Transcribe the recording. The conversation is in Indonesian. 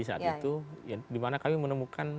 saat itu dimana kami menemukan